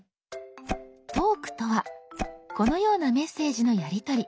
「トーク」とはこのようなメッセージのやりとり。